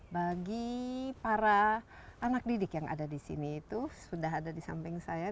bagi para anak didik yang ada di sini itu sudah ada di samping saya